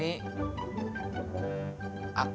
ya udah bang